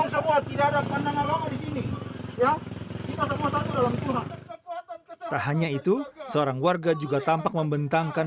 sebuah kisah yang terjadi di kairatu